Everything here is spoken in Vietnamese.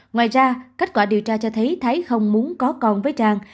ngoài ra kết quả điều tra cho thấy thái không muốn có con với trang